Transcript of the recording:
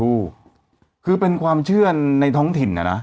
ถูกคือเป็นความเชื่อในท้องถิ่นน่ะนะ